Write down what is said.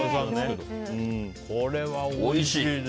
これはおいしい。